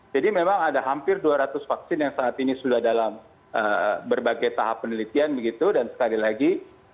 jadi memang ada hampir dua ratus vaksin yang saat ini sudah dalam berbagai tahap penelitian dan sekali lagi